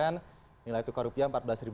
nilai tukar rupiah empat belas empat ratus